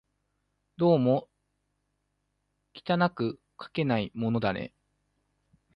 どうも巧くかけないものだね